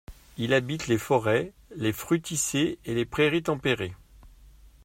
Il habite les forêts, les fruticées et les prairies tempérées.